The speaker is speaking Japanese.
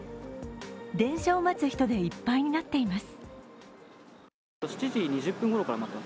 電車を待つ人でいっぱいになっています。